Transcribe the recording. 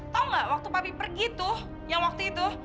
tau gak waktu papi pergi tuh yang waktu itu